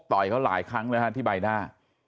ต่อยเขาหลายครั้งเลยฮะที่ใบหน้า